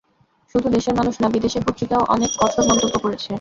শুধু দেশের মানুষ না, বিদেশের পত্রিকাও অনেক কঠোর মন্তব্য করেছে।